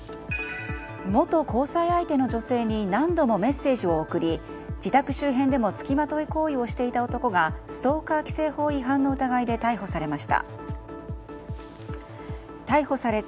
元交際相手の女性に何度もメッセージを送り自宅周辺でも付きまとい行為をしていた男がストーカー規正法違反の疑いで逮捕されました。